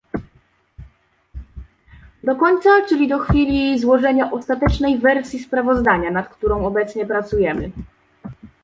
Do końca, czyli do chwili złożenia ostatecznej wersji sprawozdania, nad którą obecnie pracujemy